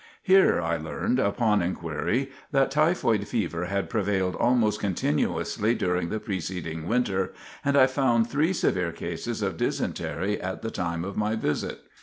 Here I learned, upon inquiry, that typhoid fever had prevailed almost continuously during the preceding winter, and I found three severe cases of dysentery at the time of my visit."